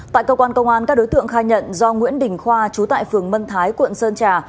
tại cơ quan công an các đối tượng khai nhận do nguyễn đình khoa trú tại phường mân thái quận sơn trà